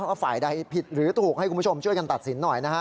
ว่าฝ่ายใดผิดหรือถูกให้คุณผู้ชมช่วยกันตัดสินหน่อยนะฮะ